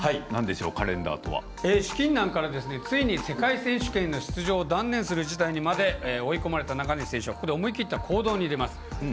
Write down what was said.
資金難からついに世界選手権の出場を断念する事態にまで追い込まれた中西選手はここで思い切った行動に出ます。